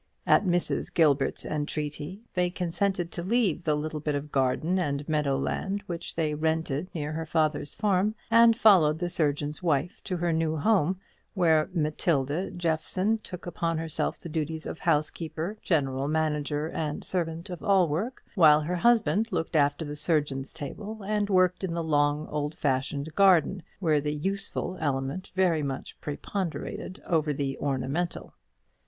At Mrs. Gilbert's entreaty they consented to leave the little bit of garden and meadow land which they rented near her father's farm, and followed the surgeon's wife to her new home, where Matilda Jeffson took upon herself the duties of housekeeper, general manager, and servant of all work; while her husband looked after the surgeon's table, and worked in the long, old fashioned garden, where the useful element very much preponderated over the ornamental.